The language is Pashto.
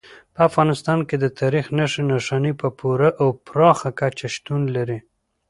په افغانستان کې د تاریخ نښې نښانې په پوره او پراخه کچه شتون لري.